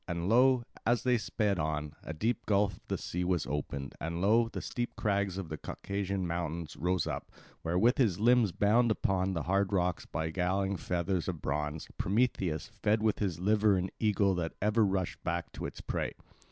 And lo, as they sped on, a deep gulf of the sea was opened, and lo, the steep crags of the Caucasian mountains rose up, where, with his limbs bound upon the hard rocks by galling fetters of bronze, Prometheus fed with his liver an eagle that ever rushed back to its prey.